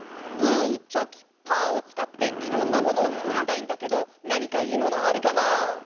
グーチョキパーをつかっていろんなものをつくりたいんだけどなにかいいものあるかな？